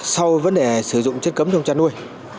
sau vấn đề sử dụng chất cấm trong chăn nuôi